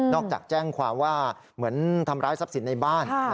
จากแจ้งความว่าเหมือนทำร้ายทรัพย์สินในบ้าน